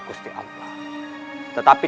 gusti allah tetapi